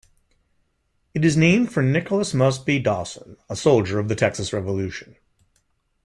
It is named for Nicholas Mosby Dawson, a soldier of the Texas Revolution.